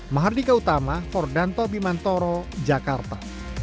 mahardika utama fordanto bimantoro jakarta